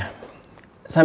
sambil nungguin lo deh ya